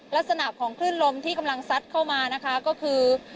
ลักษณะของคลื่นลมที่กำลังซัดเข้ามานะคะก็คือ